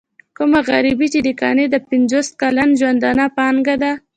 کومه غريبي چې د قانع د پنځوس کلن ژوندانه پانګه ده.